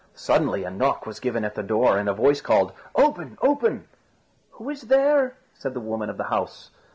Suddenly a knock was given at the door, and a voice called, "Open! open!" "Who is there?" said the woman of the house.